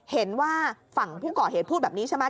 เห็นว่าฝั่งผู้ก่อเหตุพูดแบบนี้ใช่ไหม